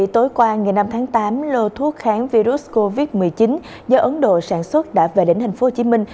tối qua ngày năm tháng tám lô thuốc kháng virus covid một mươi chín do ấn độ sản xuất đã về đến tp hcm